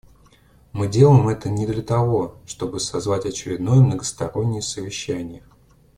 Мы делаем это не для того, чтобы созвать очередное многостороннее совещание.